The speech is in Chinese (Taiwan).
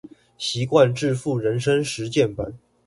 習慣致富人生實踐版